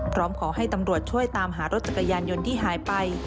พร้อมขอให้ตำรวจช่วยตามหารถจักรยานยนต์ที่หายไป